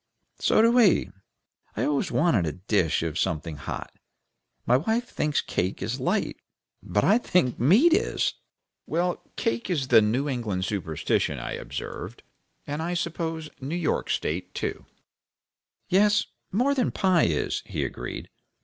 "So do we. I always want a dish of something hot. My wife thinks cake is light, but I think meat is." "Well, cake is the New England superstition," I observed. "And I suppose York State, too." "Yes, more than pie is," he agreed.